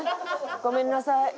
「ごめんなさい